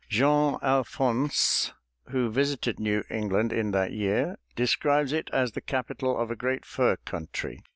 Jean Allfonsce, who visited New England in that year, describes it as the capital of a great fur country.